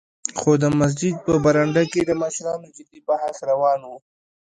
خو د مسجد په برنډه کې د مشرانو جدي بحث روان و.